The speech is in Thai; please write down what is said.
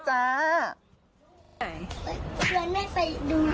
ชวนแม่ไปดูชกตุ่นปูปลาร้า